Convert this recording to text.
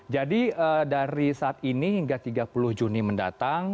jadi dari saat ini hingga tiga puluh juni mendatang